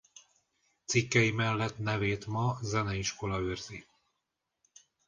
Cikkei mellett nevét ma Zeneiskola őrzi.